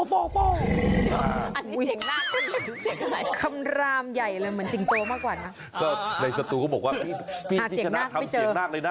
แล้วของเจ้าก็บอกว่าพี่วิชีมาทำเสียงนากเลยนะ